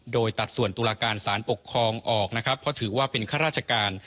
โดยตัดส่วนตุลาการสารปกครองออกนะครับเพราะถือว่าเป็นข้าราชการ